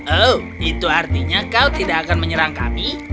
oh itu artinya kau tidak akan menyerang kami